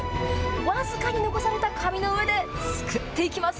僅かに残された紙の上ですくっていきます。